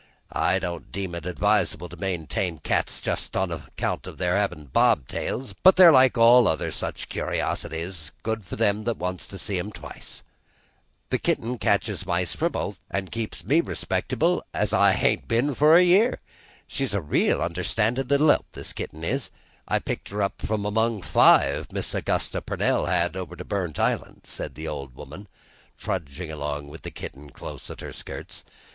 I don't deem it advisable to maintain cats just on account of their havin' bob tails; they're like all other curiosities, good for them that wants to see 'm twice. This kitten catches mice for both, an' keeps me respectable as I ain't been for a year. She's a real understandin' little help, this kitten is. I picked her from among five Miss Augusta Pernell had over to Burnt Island," said the old woman, trudging along with the kitten close at her skirts.